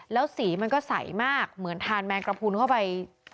แล้วสีมันก็ใสมากเหมือนทานแมงกระพุนเข้าไป